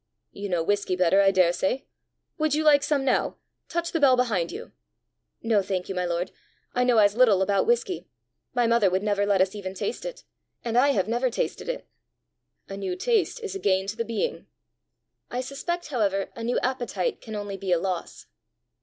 "You know whisky better, I daresay! Would you like some now? Touch the bell behind you." "No, thank you, my lord; I know as little about whisky: my mother would never let us even taste it, and I have never tasted it." "A new taste is a gain to the being." "I suspect, however, a new appetite can only be a loss."